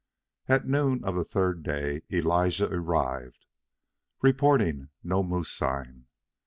At noon of the third day Elijah arrived, reporting no moose sign.